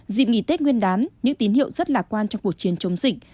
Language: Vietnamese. dịp nghỉ tết nguyên đán những tín hiệu rất lạc quan trong cuộc chiến chống dịch